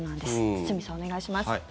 堤さん、お願いします。